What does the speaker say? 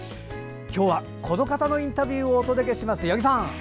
今日はこの方のインタビューをお届けします、八木さん。